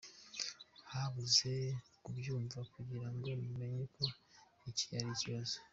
Habuze kubyumva kugira ngo mumenye ko iki ari ikibazo?